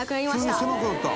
「急に狭くなった！」